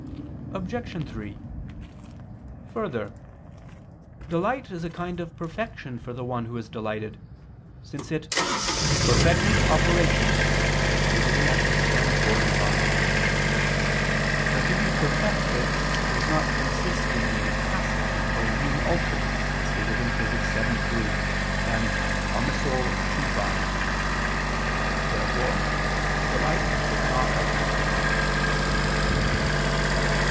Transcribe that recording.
Obj. 3: Further, delight is a kind of a perfection of the one who is delighted; since it "perfects operation," as stated in Ethic. x, 4, 5. But to be perfected does not consist in being passive or in being altered, as stated in Phys. vii, 3 and De Anima ii, 5. Therefore delight is not a passion.